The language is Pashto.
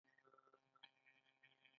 ایا زما ناروغي د تل لپاره ده؟